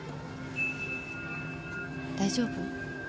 大丈夫？